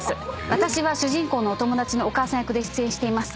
私は主人公のお友達のお母さん役で出演しています。